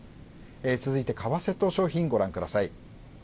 続いて、為替と商品、ご覧ください。